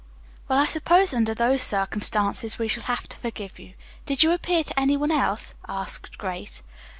"Well, I suppose under those circumstances we shall have to forgive you. Did you appear to any one else?" asked Grace.